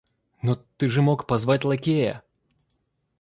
Но ты же мог позвать лакея!